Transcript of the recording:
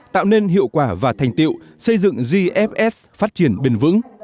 tạo nên hiệu quả và thành tiệu xây dựng gfs phát triển bền vững